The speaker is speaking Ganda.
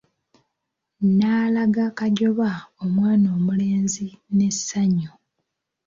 N'alaga Kajoba omwana omulenzi n'essanyu.